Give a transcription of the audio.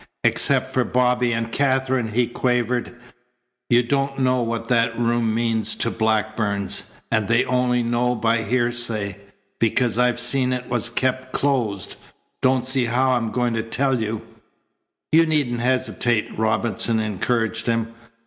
"Except for Bobby and Katherine," he quavered, "you don't know what that room means to Blackburns; and they only know by hearsay, because I've seen it was kept closed. Don't see how I'm going to tell you " "You needn't hesitate," Robinson encouraged him.